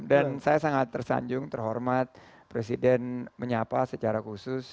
dan saya sangat tersanjung terhormat presiden menyapa secara khusus